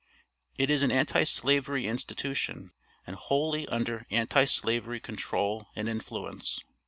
It is an Anti slavery institution, and wholly under Anti slavery control and influence.